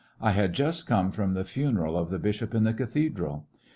I had just come from the funeral of the bishop in the cathedral.